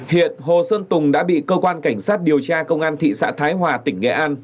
hiện hồ xuân tùng đã bị cơ quan cảnh sát điều tra công an thị xã thái hòa tỉnh nghệ an